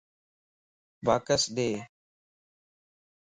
باڪس ڏي